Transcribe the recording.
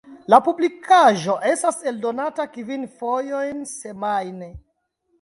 La publikaĵo estas eldonata kvin fojojn semajne.